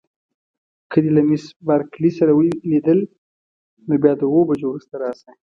که دې له میس بارکلي سره لیدل نو بیا د اوو بجو وروسته راشه.